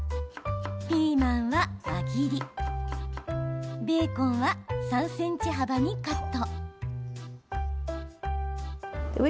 ピーマンは輪切りベーコンは３ｃｍ幅にカット。